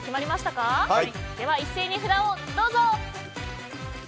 では一斉に札をどうぞ。